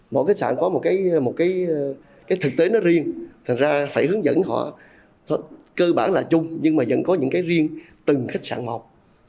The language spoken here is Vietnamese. mỗi khách sạn có một cái thực tế nó riêng thành ra phải hướng dẫn họ cơ bản là chung nhưng mà vẫn có những cái riêng từng khách sạn một